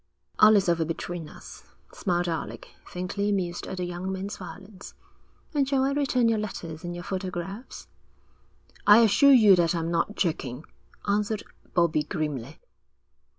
'All is over between us,' smiled Alec, faintly amused at the young man's violence. 'And shall I return your letters and your photographs?' 'I assure you that I'm not joking,' answered Bobbie grimly.